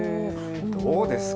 どうですか。